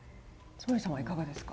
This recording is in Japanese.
津守さんはいかがですか？